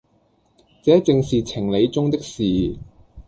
這正是情理中的事，